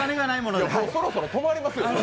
そろそろ止まりますよ。